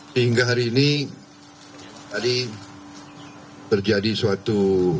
sehingga hari ini tadi terjadi suatu